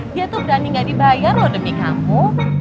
dia tuh berani gak dibayar loh demi kamu